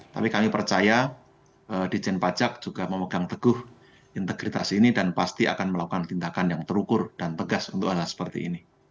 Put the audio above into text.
tapi kami percaya dijen pajak juga memegang teguh integritas ini dan pasti akan melakukan tindakan yang terukur dan tegas untuk hal hal seperti ini